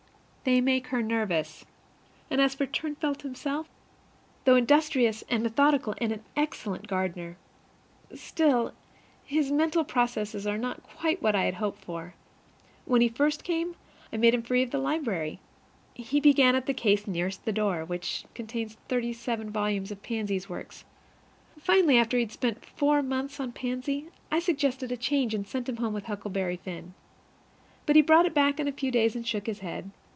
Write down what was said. They make her nervous. And as for Turnfelt himself, though industrious and methodical and an excellent gardener, still, his mental processes are not quite what I had hoped for. When he first came, I made him free of the library. He began at the case nearest the door, which contains thirty seven volumes of Pansy's works. Finally, after he had spent four months on Pansy, I suggested a change, and sent him home with "Huckleberry Finn." But he brought it back in a few days, and shook his head.